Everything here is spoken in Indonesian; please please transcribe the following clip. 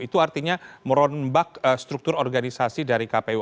itu artinya merombak struktur organisasi dari kpu